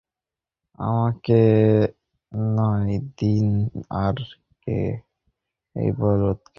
আমাকে ন্যায় দিন আরে এই বলদ কে?